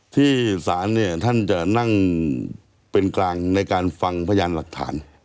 ที่ศาลเนี่ยท่านจะนั่งเป็นกลางในการฟังพยานหลักฐาน